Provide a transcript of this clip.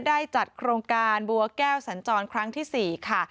ได้จัดโครงการบัวแก้วสัญจรครั้งที่๔ค่ะ